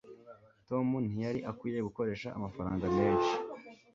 tom ntiyari akwiye gukoresha amafaranga menshi